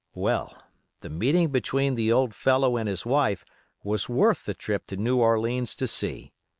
Well, the meeting between the old fellow and his wife was worth the trip to New Orleans to see.